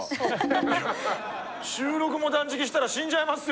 いや週６も断食したら死んじゃいますよ。